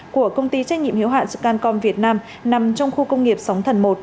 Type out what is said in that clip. của công ty trách nhiệm hiếu hạn scancom việt nam nằm trong khu công nghiệp sóng thần một